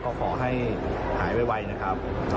ก็ขอให้หายไวนะครับ